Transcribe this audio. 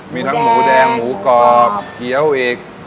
มีทั้งหมูแดงหมูกรอบเกี้ยวอีก